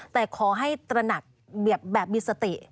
แต่ขอให้ตระหนักแบบมีสติ